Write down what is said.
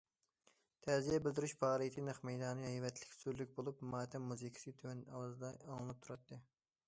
تەزىيە بىلدۈرۈش پائالىيىتى نەق مەيدانى ھەيۋەتلىك، سۈرلۈك بولۇپ، ماتەم مۇزىكىسى تۆۋەن ئاۋازدا ئاڭلىنىپ تۇراتتى.